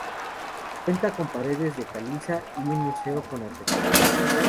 Cuenta con paredes de caliza y un museo con artefactos.